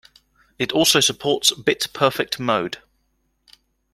It also supports bit-perfect mode.